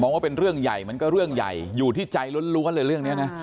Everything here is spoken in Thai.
ว่าเป็นเรื่องใหญ่มันก็เรื่องใหญ่อยู่ที่ใจล้วนเลยเรื่องนี้นะ